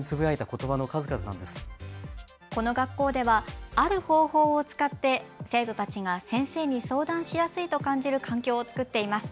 この学校ではある方法を使って生徒たちが先生に相談しやすいと感じる環境を作っています。